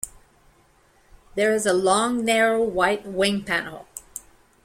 There is a long narrow white wing panel.